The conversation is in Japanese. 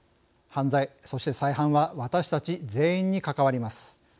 犯罪、そして再犯は私たち全員に関わります。